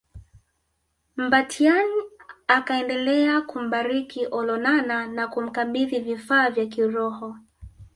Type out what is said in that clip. Mbatiany akaendelea kumbariki Olonana na kumkabidhi vifaa vya kiroho